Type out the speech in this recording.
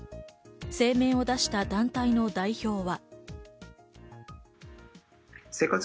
声明を出した団体の代表は。